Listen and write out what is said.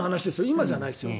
今じゃないですよ。